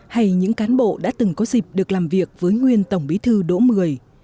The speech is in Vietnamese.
hay những cán bộ đã từng có dịp được làm việc với nguyên tổng bí thư đỗ mười